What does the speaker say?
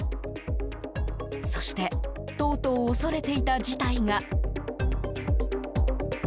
そして、とうとう恐れていた事態が。